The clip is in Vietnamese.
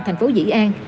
thành phố dĩ an